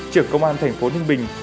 trưởng công an thành phố ninh bình